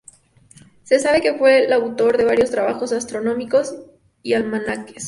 Se sabe que fue el autor de varios trabajos astronómicos y almanaques.